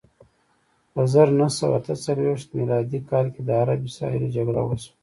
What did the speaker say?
په زر نه سوه اته څلویښت میلادي کال کې د عرب اسراییلو جګړه وشوه.